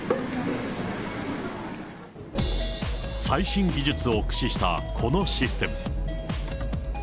最新技術を駆使したこのシステム。